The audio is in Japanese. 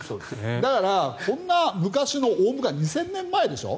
だから、こんな大昔の２０００年前でしょ。